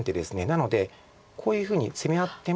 なのでこういうふうに攻め合っても。